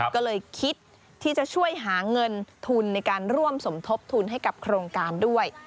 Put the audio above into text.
ก็เลยคิดที่จะช่วยหาเงินทุนในการร่วมสมทบทุนให้กับโครงการด้วย